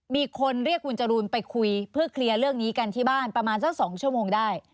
มีคนเรียกคุณจรูนไปคุยเพื่อเคลียร์เรื่องนี้กันที่บ้านประมาณสัก๒ชั่วโมงได้